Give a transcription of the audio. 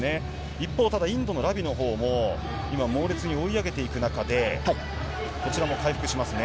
一方、ただインドのラビのほうも、今猛烈に追い上げていく中で、こちらも回復しますね。